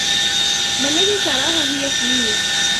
ما الذي تراهُ هيُ فيه ؟